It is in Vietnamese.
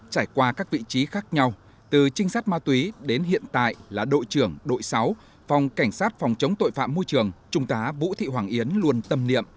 trải qua các vị trí khác nhau từ trinh sát ma túy đến hiện tại là đội trưởng đội sáu phòng cảnh sát phòng chống tội phạm môi trường trung tá vũ thị hoàng yến luôn tâm niệm